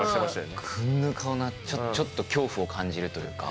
こんな顔にちょっと恐怖を感じるというか。